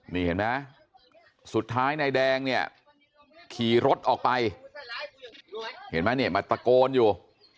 นี่เห็นไหมสุดท้ายนายแดงเนี่ยขี่รถออกไปเห็นไหมเนี่ยมาตะโกนอยู่